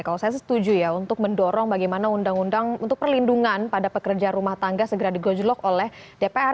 kalau saya setuju ya untuk mendorong bagaimana undang undang untuk perlindungan pada pekerja rumah tangga segera digojolok oleh dpr